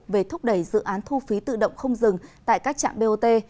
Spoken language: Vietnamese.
về thúc đẩy dự án thu phí tự động không dừng tại các trạm bot